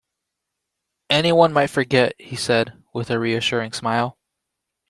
"Any one might forget," he said, with a reassuring smile.